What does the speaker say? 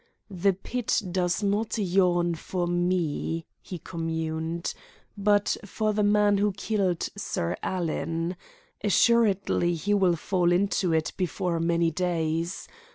"The pit does not yawn for me," he communed, "but for the man who killed Sir Alan. Assuredly he will fall into it before many days.